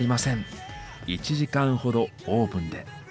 １時間ほどオーブンで。